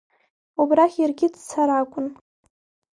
Убрахь иаргьы дцар акәын.